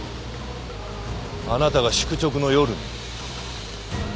あなたが宿直の夜に。